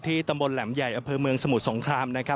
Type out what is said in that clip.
ที่ตำบลแหลมใหญ่อเภอเมืองสมุทรสงคราม